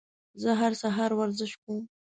زه هر سهار ورزش کوم.